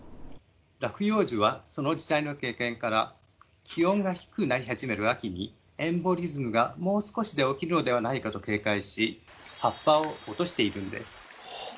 落葉樹はその時代の経験から気温が低くなり始める秋に「エンボリズムがもう少しで起きるのではないか」と警戒し葉っぱを落としているんです。